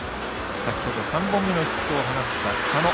先ほど３本目のヒットを放った茶野。